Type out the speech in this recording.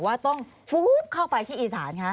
ว่าต้องฟู๊บเข้าไปที่อีสานคะ